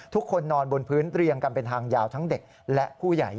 ทุกคนนอนบนพื้นเรียงกันเป็นทางยาวทั้งเด็กและผู้ใหญ่